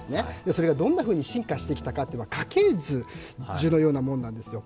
それがどんなふうに進化してきたか、家系図のようなものなんです。